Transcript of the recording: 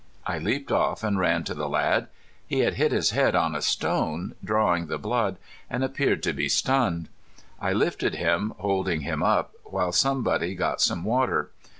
I leaped off and ran to the lad. He had hit his head on a stone, drawing the blood, and appeared to be stunned. I lifted him, holding him up, while somebody got some water.